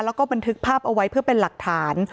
แล้วก็บันทึกภาพเอาไว้เพื่อเป็นหลักฐาน